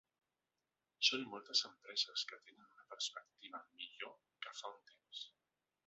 Són moltes empreses que tenen una perspectiva millor que fa un temps.